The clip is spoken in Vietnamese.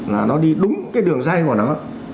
là nó đi đúng cái đường dây của nó